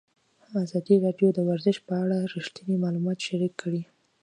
ازادي راډیو د ورزش په اړه رښتیني معلومات شریک کړي.